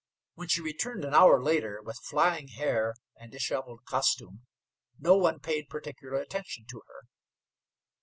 When she returned an hour later, with flying hair and disheveled costume, no one paid particular attention to her.